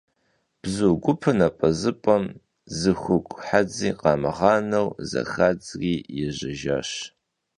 Bzu gupır nap'ezıp'em zı xugu hedzi khamığaneu zexadzri yêjejjaş.